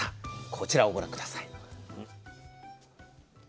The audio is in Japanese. こちらをご覧下さい。